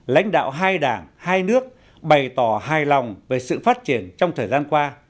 lãnh đạo hai đảng hai nước bày tỏ hài lòng về sự phát triển trong thời gian qua